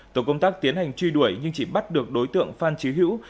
tổ công tác tiến hành truy đuổi nhưng chỉ bắt được đối tượng phan trí hữu